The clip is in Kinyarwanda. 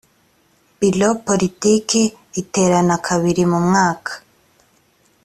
biro politiki iterana kabiri mu mwaka